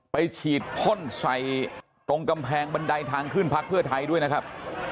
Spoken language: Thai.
ไปฉีดพ่นใส่ตรงกำแพงบันไดทางขึ้นพักเพื่อไทยด้วยนะครับ